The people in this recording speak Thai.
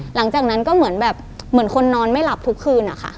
หลังจากนั้นก็เหมือนแบบเหมือนคนนอนไม่หลับทุกคืนอะค่ะ